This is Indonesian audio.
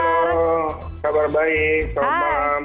halo kabar baik selamat malam